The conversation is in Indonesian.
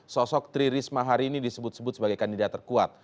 sosok tri risma hari ini disebut sebut sebagai kandidat terkuat